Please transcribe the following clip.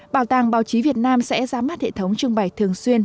bảo tàng báo chí việt nam sẽ giám mát hệ thống trưng bày thường xuyên